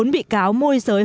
bốn bị cáo môi giới hối lộ